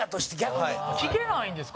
陣内：聞けないんですか？